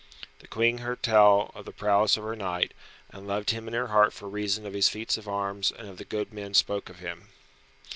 The Queen heard tell the prowess of her knight, and loved him in her heart for reason of his feats of arms and of the good men spoke of him.